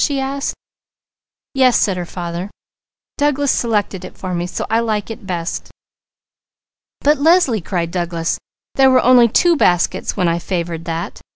she asked. "Yes," said her father. "Douglas selected it for me, so I like it best." "But Leslie!" cried Douglas, "there were only two baskets when I favoured that.